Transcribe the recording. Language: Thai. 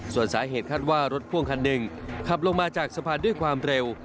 ส่วนสาเหตุคาดว่ารถพ่วงคันหนึ่งขับลงมาจากสะพานด้วยความเร็ว